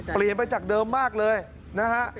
เปลี่ยนไปจากเดิมมากเลยนะฮะ